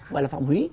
gọi là phạm hủy